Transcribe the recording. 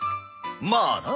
まあな。